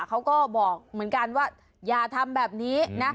เขาก็บอกเหมือนกันว่าอย่าทำแบบนี้นะ